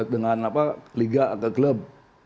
dengan liga atau klub